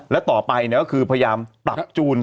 และต่อไปก็คือพยายามปรับจูน